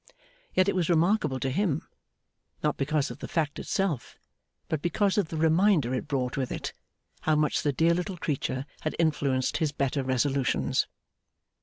Yet it was remarkable to him; not because of the fact itself, but because of the reminder it brought with it, how much the dear little creature had influenced his better resolutions.